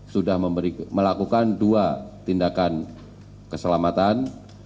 sudah melakukan dua tindakan keselamatan